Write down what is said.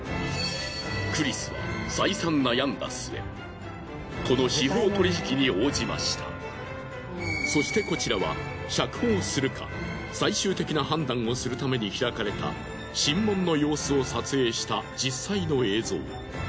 クリスは再三そしてこちらは釈放するか最終的な判断をするために開かれた審問の様子を撮影した実際の映像。